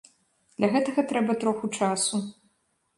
Для гэтага трэба троху часу.